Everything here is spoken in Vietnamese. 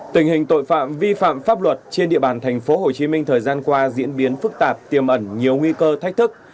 tình hình tội phạm vi phạm pháp luật trên địa bàn tp hcm thời gian qua diễn biến phức tạp tiềm ẩn nhiều nguy cơ thách thức